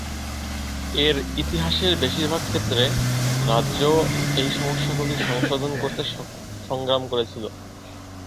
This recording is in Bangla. এর ইতিহাসের বেশিরভাগ ক্ষেত্রে, রাজ্য এই সমস্যাগুলি সংশোধন করতে সংগ্রাম করেছিল।